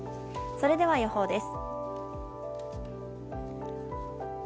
それでは予報です。